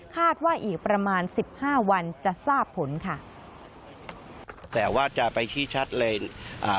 คาดว่าอีกประมาณสิบห้าวันจะทราบผลค่ะแต่ว่าจะไปชี้ชัดเลยอ่า